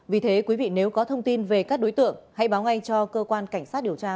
vì thế quý vị nếu có thông tin về các đối tượng hãy báo ngay cho cơ quan cảnh sát điều tra